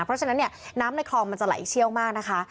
เพราะฉะนั้นเนี่ยน้ำในคลองมันจะไหลเชี่ยวมากนะคะ